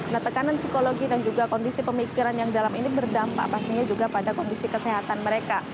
nah tekanan psikologi dan juga kondisi pemikiran yang dalam ini berdampak pastinya juga pada kondisi kesehatan mereka